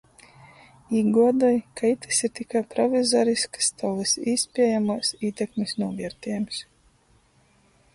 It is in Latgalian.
Īguodoj, ka itys ir tikai provizoriskys Tovys īspiejamuos ītekmis nūviertiejums.